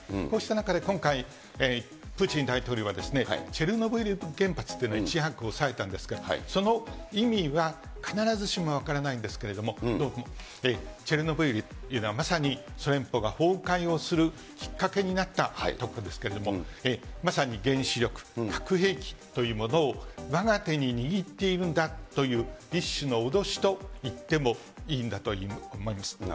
こうした中で今回、プーチン大統領は、チェルノブイリ原発というのをいち早くおさえたんですけれども、その意味は、必ずしも分からないんですけれども、どうもチェルノブイリというのは、まさにソ連邦が崩壊をするきっかけになった所なんですけれども、まさに原子力、核兵器というものを、わが手に握っているんだという一種の脅しといってもいいんだと思います。